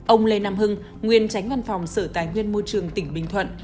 ông lê nam hưng nguyên tránh văn phòng sở tài nguyên môi trường tỉnh bình thuận